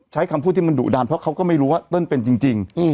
ใช้คำพูดที่มันดุดันเพราะเขาก็ไม่รู้ว่าเติ้ลเป็นจริง